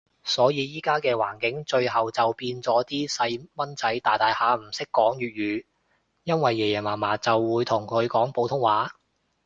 所以依家嘅環境，最後就變咗啲細蚊仔大大下唔講粵語，因為爺爺嫲嫲會就佢講普通話